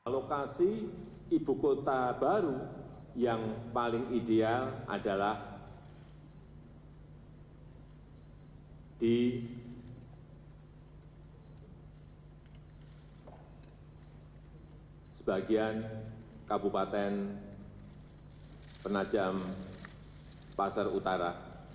lokasi ibu kota baru yang paling ideal adalah di sebagian kabupaten penajam pasar utara